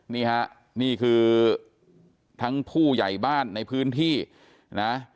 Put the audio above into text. นี่ฮะนี่คือทั้งผู้ใหญ่บ้านในพื้นที่นะ